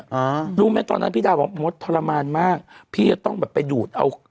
รู้ไหมตอนนั้นพี่ดาวบอกมดทรมานมากพี่จะต้องแบบไปดูดเอา